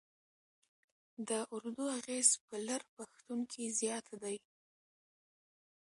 د اردو اغېز په لر پښتون کې زیات دی.